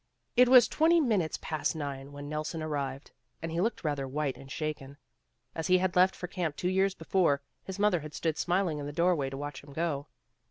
It was twenty minutes past nine when Nelson arrived, and he looked rather white and shaken. As he had left for camp two years before, his mother had stood smiling in the doorway to watch him go.